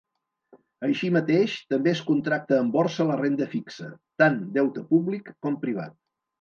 Així mateix, també es contracta en borsa la renda fixa, tant deute públic com privat.